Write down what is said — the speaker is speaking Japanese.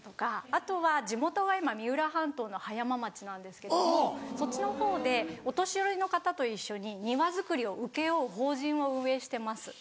あとは地元が今三浦半島の葉山町なんですけどもそっちのほうでお年寄りの方と一緒に庭造りを請け負う法人を運営してます。